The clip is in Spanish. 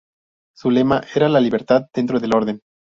Su lema era la libertad dentro del orden.